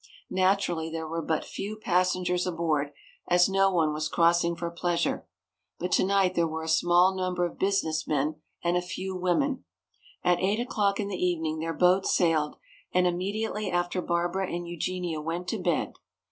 Naturally there were but few passengers aboard, as no one was crossing for pleasure. But tonight there were a small number of business men and a few women. At eight o'clock in the evening their boat sailed, and immediately after Barbara and Eugenia went to bed.